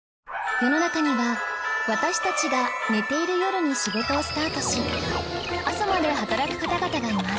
世の中には私たちが寝ている夜に仕事をスタートし朝まで働く方々がいます